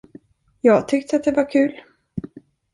Jag tyckte att det var kul.